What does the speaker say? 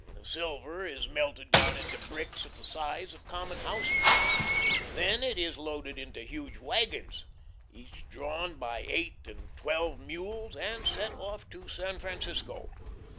The silver is melted down into bricks of the size of common house bricks; then it is loaded into huge wagons, each drawn by eight and twelve mules, and sent off to San Francisco.